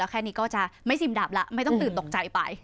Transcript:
แค่นี้ก็จะไม่ซิมดับแล้วไม่ต้องตื่นตกใจไป